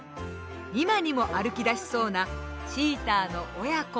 今にも歩きだしそうなチーターの親子。